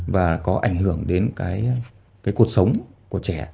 và có ảnh hưởng đến cái cuộc sống của trẻ